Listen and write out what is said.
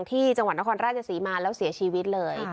ที่จังหวัดนครราชศรีมาแล้วเสียชีวิตเลย